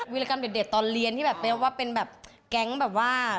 วิรการเป็นเดชตอนเรียนที่แบบเป็นแบบแก๊งแบบว่า